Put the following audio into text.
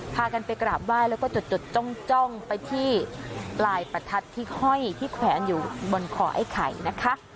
พากันไปกราบไหว้แล้วก็จดจ้องไปที่ปลายประทัดที่ห้อยที่แขวนอยู่บนคอไอ้ไข่นะคะ